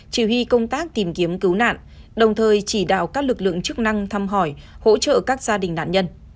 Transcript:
chỉ huy công tác tìm kiếm cứu nạn đồng thời chỉ đạo các lực lượng chức năng thăm hỏi hỗ trợ các gia đình nạn nhân